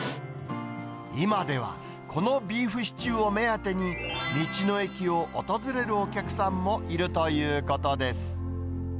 今では、このビーフシチューを目当てに道の駅を訪れるお客さんもいるということです。